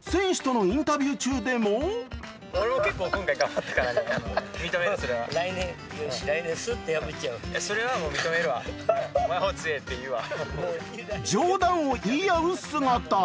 選手とのインタビュー中でも上段を言い合う姿。